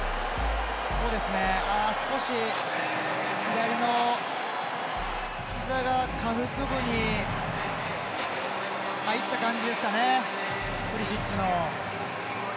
少し左のひざが下腹部に入った感じですかねプリシッチの。